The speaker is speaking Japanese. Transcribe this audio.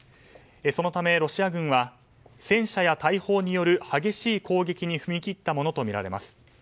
そのため、ロシア軍は戦車や大砲による激しい攻撃に踏み切ったものとみられます。